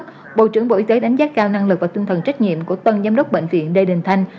theo bộ trưởng bộ y tế đánh giá cao năng lực và tương thần trách nhiệm của tân giám đốc bệnh viện lê đình thăng